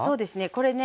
これね